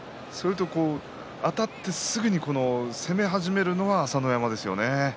あたってすぐに攻め始めるのは朝乃山ですよね。